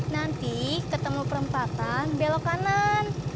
nanti ketemu perempatan belok kanan